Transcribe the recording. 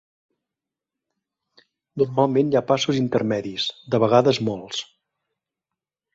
Normalment hi ha passos intermedis, de vegades molts.